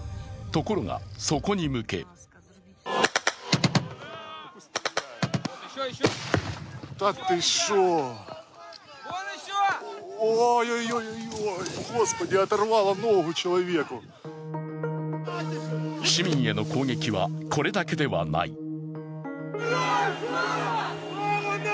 ところが、そこに向け市民への攻撃は、これだけではない。